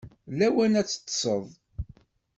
D lawan ad teṭṭseḍ.